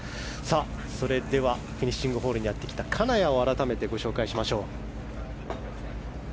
それではフィニッシングホールにやってきた金谷を改めてご紹介しましょう。